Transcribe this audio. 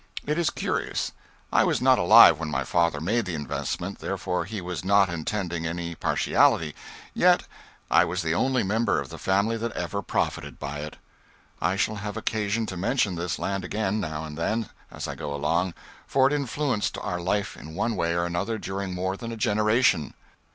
It is curious: I was not alive when my father made the investment, therefore he was not intending any partiality; yet I was the only member of the family that ever profited by it. I shall have occasion to mention this land again, now and then, as I go along, for it influenced our life in one way or another during more than a generation.